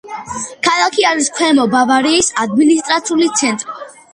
ქალაქი არის ქვემო ბავარიის ადმინისტრაციული ცენტრი.